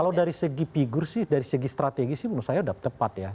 kalau dari segi figur sih dari segi strategi sih menurut saya sudah tepat ya